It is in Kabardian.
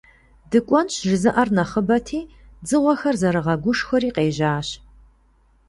«ДыкӀуэнщ» жызыӀэр нэхъыбэти, дзыгъуэхэр зэрыгъэгушхуэри къежьащ.